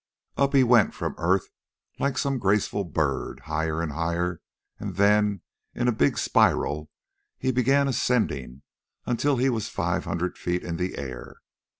Up he went from earth, like some graceful bird, higher and higher, and then, in a big spiral, he began ascending until he was five hundred feet in the air.